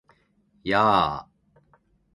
やー！！！